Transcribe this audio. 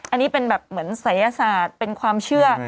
อันนี้เป็นแบบเหมือนศัยศาสตร์เป็นความเชื่อ